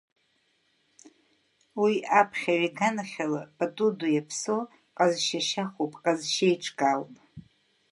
Уи аԥхьаҩ иганахьала, пату ду иаԥсоу, ҟазшьа шьахәуп, ҟазшьа еиҿкаауп.